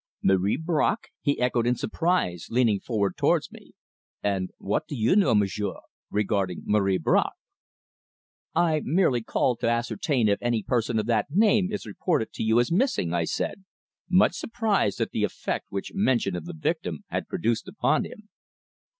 "Marie Bracq!" he echoed in surprise, leaning forward towards me. "And what do you know, m'sieur, regarding Marie Bracq?" "I merely called to ascertain if any person of that name, is reported to you as missing," I said, much surprised at the effect which mention of the victim had produced upon him.